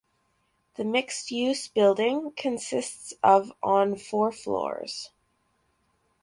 The mixed use building consists of on four floors.